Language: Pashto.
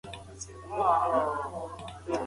ماشومان په کمپیوټر کې درسونه لولي.